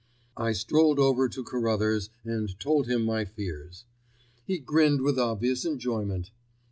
I strolled over to Carruthers and told him my fears. He grinned with obvious enjoyment.